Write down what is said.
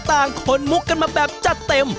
ต่างคนมุกกันมาแบบจัดเต็ม